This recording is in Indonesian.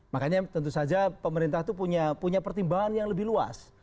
makanya tentu saja pemerintah itu punya pertimbangan yang lebih luas